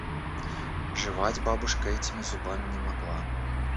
Жевать бабушка этими зубами не могла.